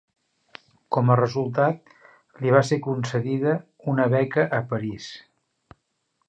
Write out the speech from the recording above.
Com a resultat, li va ser concedida una beca a París.